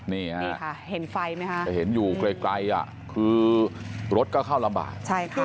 นี่ค่ะเห็นไฟไหมคะจะเห็นอยู่ไกลไกลอ่ะคือรถก็เข้าระบาดใช่ค่ะ